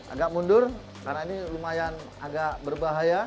agak mundur karena ini lumayan agak berbahaya